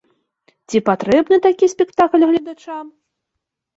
Ці патрэбны такі спектакль гледачам?